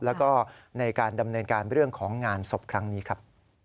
แล้วก็ในการดำเนินการเรื่องของงานศพครั้งนี้ครับ